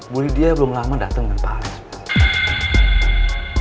bu lydia belum lama dateng ke pak alex